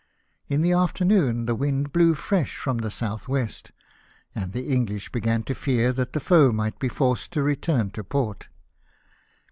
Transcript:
In the afternoon the wind blew fresh from the south west, and the English began to fear that the foe might be forced to return to port.